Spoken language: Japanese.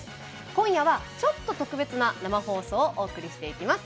今夜はちょっと特別な生放送をお送りしていきます。